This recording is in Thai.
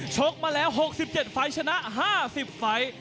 กมาแล้ว๖๗ไฟล์ชนะ๕๐ไฟล์